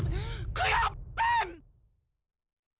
クヨッペン！